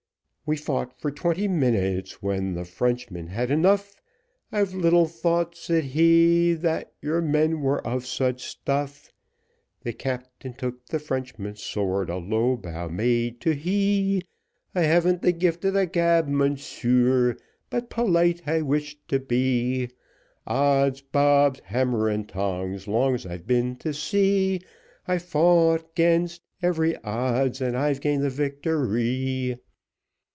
We fought for twenty minutes, when the Frenchman had enough, I little thought, said he, that your men were of such stuff; The captain took the Frenchman's sword, a low bow made to he, I havn't the gift of the gab, Mounsieur, but polite I wish to be. Odds bobs, hammer and tongs, long as I've been to sea, I've fought 'gainst every odds and I've gained the victory.